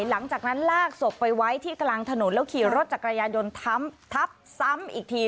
หลังจากนั้นลากศพไปไว้ที่กลางถนนแล้วขี่รถจักรยานยนต์ทับซ้ำอีกที